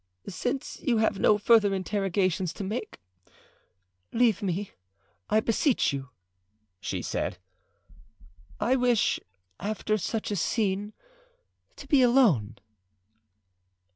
"Since you have no further interrogations to make, leave me, I beseech you," she said. "I wish, after such a scene, to be alone."